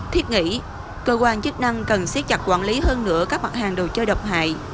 thiết nghĩ cơ quan chức năng cần siết chặt quản lý hơn nữa các mặt hàng đồ chơi độc hại